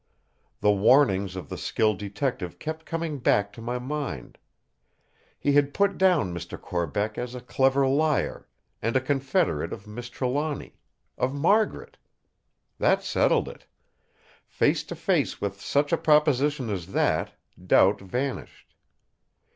The warnings of the skilled detective kept coming back to my mind. He had put down Mr. Corbeck as a clever liar, and a confederate of Miss Trelawny. Of Margaret! That settled it! Face to face with such a proposition as that, doubt vanished.